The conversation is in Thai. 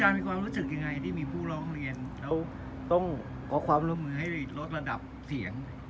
มีความรู้สึกยังไงที่มีผู้ร้องเรียนแล้วต้องขอความร่วมมือให้ลดระดับเสียง